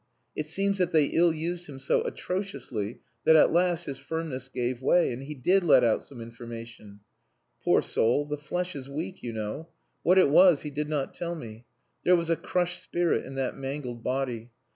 It seems that they ill used him so atrociously that, at last, his firmness gave way, and he did let out some information. Poor soul, the flesh is weak, you know. What it was he did not tell me. There was a crushed spirit in that mangled body.